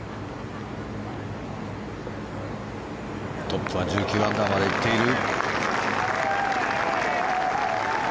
トップは１９アンダーまで行っている。